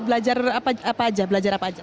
lalu ada belajar apa aja